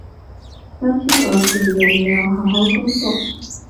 担心儿子有没有好好工作